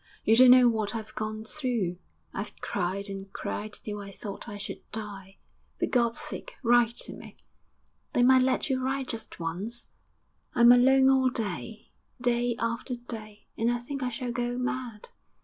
You don't know what I've gone through. I've cried and cried till I thought I should die. For God's sake write to me! They might let you write just once. I'm alone all day, day after day, and I think I shall go mad.